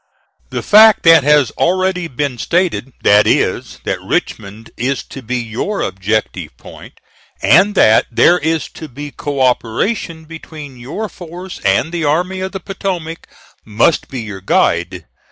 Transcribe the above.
"The fact that has already been stated that is, that Richmond is to be your objective point, and that there is to be co operation between your force and the Army of the Potomac must be your guide.